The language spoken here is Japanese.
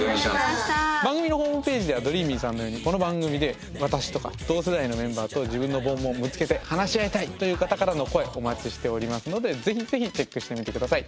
番組のホームページではどりーみぃさんのようにこの番組で私とか同世代のメンバーと自分のモンモンぶつけて話し合いたいという方からの声お待ちしておりますのでぜひぜひチェックしてみて下さい。